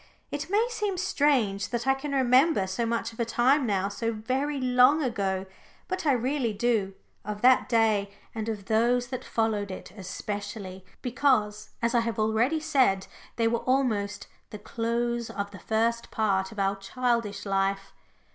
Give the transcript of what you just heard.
It may seem strange that I can remember so much of a time now so very long ago. But I really do of that day and of those that followed it especially, because, as I have already said, they were almost the close of the first part of our childish life.